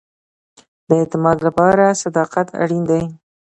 د اعتماد لپاره صداقت اړین دی